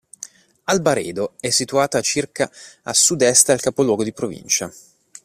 Albaredo è situato a circa a sud-est dal capoluogo di provincia.